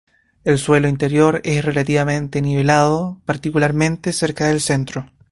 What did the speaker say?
El suelo interior es relativamente nivelado, particularmente cerca del centro.